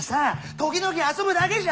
時々遊ぶだけじゃ。